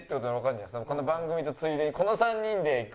この番組のついでにこの３人で。